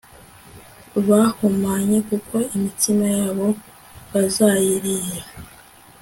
bahumanye kuko imitsima yabo bazayirira